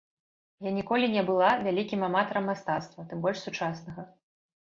Я ніколі не была вялікім аматарам мастацтва, тым больш сучаснага.